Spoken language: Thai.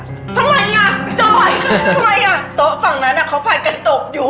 ทำไมอะต้นฝั่งนั้นเขาไพก์กันตกอยู่